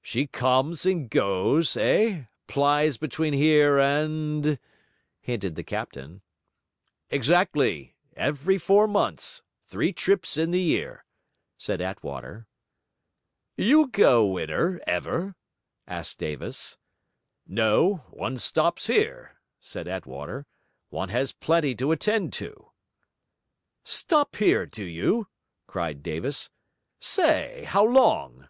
'She comes and goes, eh? plies between here and...?' hinted the captain. 'Exactly; every four months; three trips in the year,' said Attwater. 'You go in her, ever?' asked Davis. 'No, one stops here,' said Attwater, 'one has plenty to attend to.' 'Stop here, do you?' cried Davis. 'Say, how long?'